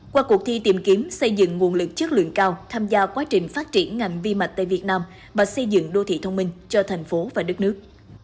qua cuộc thi tìm kiếm xây dựng nguồn lực chất lượng cao tham gia quá trình phát triển ngành vi mạch tại việt nam và xây dựng đô thị thông minh cho thành phố và đất nước